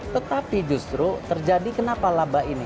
tetapi justru terjadi kenapa laba ini